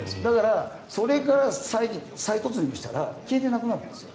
それから再突入したら消えてなくなるんですよ